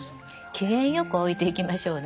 機嫌よく老いていきましょうね。